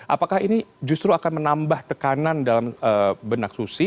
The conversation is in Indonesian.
apakah ini justru akan menambah tekanan dalam benak susi